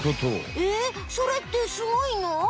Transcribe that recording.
えっそれってすごいの？